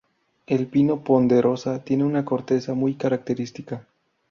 El pino ponderosa tiene una corteza muy característica.